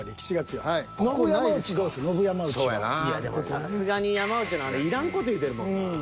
さすがに山内のあれいらん事言うてるもんなぁ。